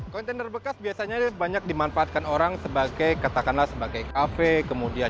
kontainer bekas biasanya banyak dimanfaatkan orang sebagai katakanlah sebagai kafe kemudian